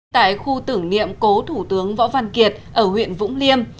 tại khu tưởng niệm cố thủ tướng võ văn kiệt ở huyện vũng liêm